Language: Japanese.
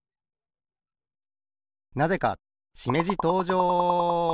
なぜかしめじとうじょう！